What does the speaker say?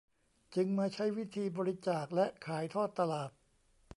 จึงมาใช้วิธีบริจาคและขายทอดตลาด